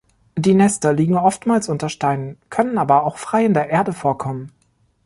Die Nester liegen oftmals unter Steinen, können aber auch frei in der Erde vorkommen.